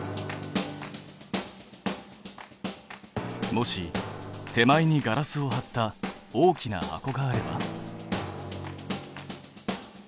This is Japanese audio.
もし手前にガラスを貼った大きな箱があれば？